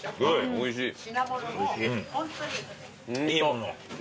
おいしい。